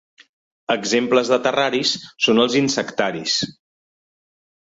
Exemples de terraris són els insectaris.